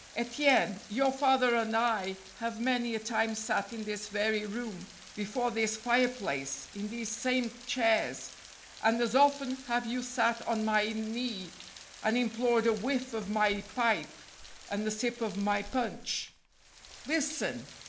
Etienne, your father and I have many a time sat in this very room, before this fire place, in these same chairs, and as often have you sat on my knee and im¬ plored a whiff of my pipe and a sip of my punch. Listen